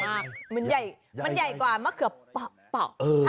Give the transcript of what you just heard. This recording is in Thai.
แล้วมันต้องใหญ่ยังไง